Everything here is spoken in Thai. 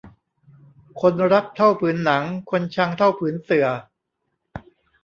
คนรักเท่าผืนหนัง คนชังเท่าผืนเสื่อ